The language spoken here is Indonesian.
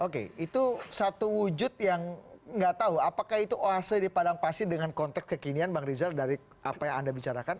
oke itu satu wujud yang nggak tahu apakah itu oac di padang pasir dengan konteks kekinian bang rizal dari apa yang anda bicarakan